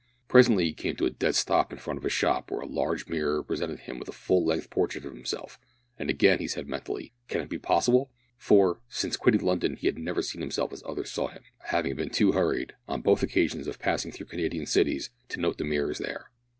Presently he came to a dead stop in front of a shop where a large mirror presented him with a full length portrait of himself, and again he said mentally, "Can it be possible!" for, since quitting London he had never seen himself as others saw him, having been too hurried, on both occasions of passing through Canadian cities, to note the mirrors there.